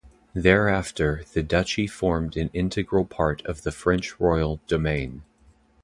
Thereafter, the duchy formed an integral part of the French royal demesne.